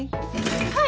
はい！